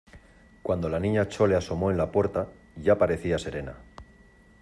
cuando la Niña Chole asomó en la puerta, ya parecía serena.